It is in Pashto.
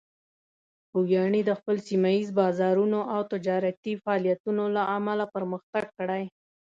خوږیاڼي د خپل سیمه ییز بازارونو او تجارتي فعالیتونو له امله پرمختګ کړی.